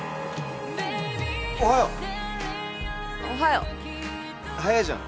おはよう。